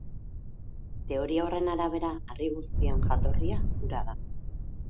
Teoria horren arabera harri guztien jatorria ura da.